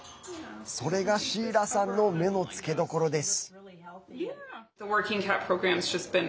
それがシーラさんの目の付けどころです。